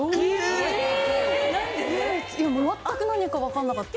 全く何かわからなかった。